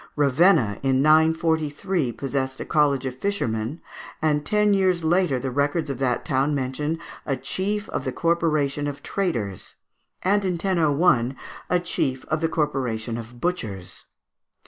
Ravenna, in 943, possessed a College of Fishermen; and ten years later the records of that town mention a Chief of the Corporation of Traders, and, in 1001, a Chief of the Corporation of Butchers.